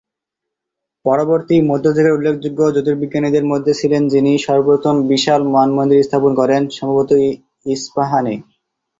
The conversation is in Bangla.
পরবর্তী মধ্যযুগের উল্লেখযোগ্য জ্যোতির্বিজ্ঞানীদের মধ্যে ছিলেন যিনি সর্বপ্রথম বিশাল মানমন্দির স্থাপন করেন, সম্ভবত ইসফাহান-এ।